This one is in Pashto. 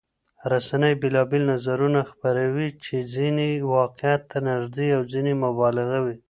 رسنۍ بېلابېل نظرونه خپروي چې ځینې یې واقعيت ته نږدې او ځینې مبالغه وي.